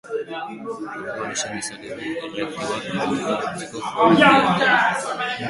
Orduan, esan dezakegu, erreaktiboak produktu bihurtzeko joera handia dutela.